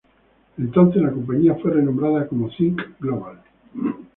Entonces, la compañía fue renombrada como Think Global.